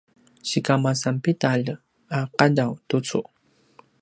sikamasan pidalj a qadaw tucu?